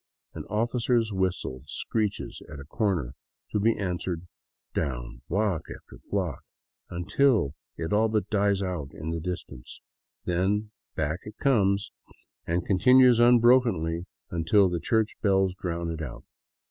An officer's whistle screeches at a corner, to be answered down block after block, until it all but dies out in the distance; then back it comes, and con tinues unbrokenly until the church bells drown it out.